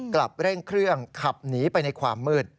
กลับเร่งเครื่องขับหนีไปในความมืด